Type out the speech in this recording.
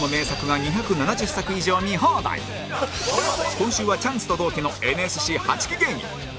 今週はチャンスと同期の ＮＳＣ８ 期芸人